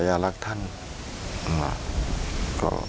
มากรอบครั้งนั้น